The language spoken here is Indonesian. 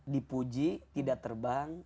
dipuji tidak terbang